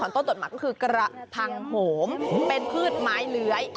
คือกระพังโผมเป็นพืชไม้เหลือย